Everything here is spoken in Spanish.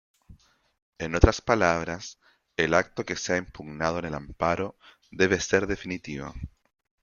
En otras palabras, el acto que sea impugnado en el amparo debe ser definitivo.